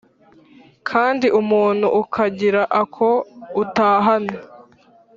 kandi umuntu ukagira ako utahana.